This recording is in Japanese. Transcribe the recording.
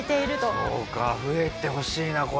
そうか増えてほしいな